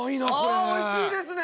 ああおいしいですね。